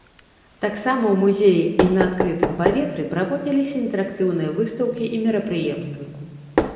Таксама ў музеі і на адкрытым паветры праводзіліся інтэрактыўныя выстаўкі і мерапрыемствы.